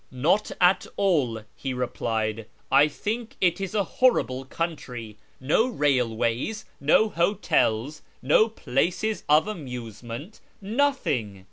" Not at all," he replied ;" I think it is a horrible country : no railways, no hotels, no places of amusement — nothing.